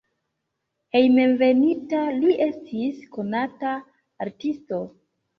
Hejmenveninta li estis konata artisto.